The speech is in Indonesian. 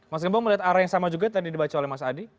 mas gembong melihat arah yang sama juga tadi dibaca oleh mas adi